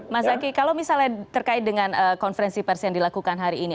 mas zaky kalau misalnya terkait dengan konferensi pers yang dilakukan hari ini